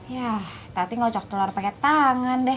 yah tadi ngojok telur pake tangan deh